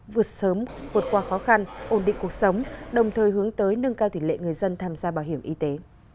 vượt sớm vượt qua khó khăn ổn định cuộc sống đồng thời hướng tới nâng cao tỷ lệ người dân tham gia bảo hiểm y tế